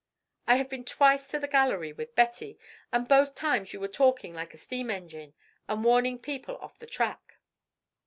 "I have been twice to the gallery with Betty, and both times you were talking like a steam engine and warning people off the track."